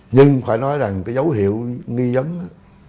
nhưng phải nói rằng cái dấu hiệu nghi dấn đó